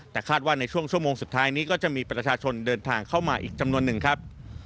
แต่คาดว่าในช่วงชั่วโมงสุดท้ายนี้ก็จะมีประชาชนเดินทางเข้ามาอีกจำนวนหนึ่งครับ